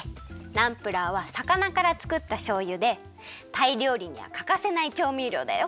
ナンプラーはさかなからつくったしょうゆでタイりょうりにはかかせないちょうみりょうだよ。